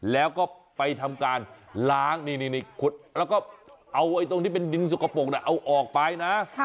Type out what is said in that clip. แล้วก็ไปทำการล้างแล้วก็เอาตรงที่เป็นดินสกปรกเอาออกไปนะ